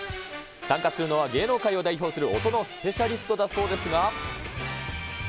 参加するのは、芸能界を代表する音のスペシャリストだそうですが。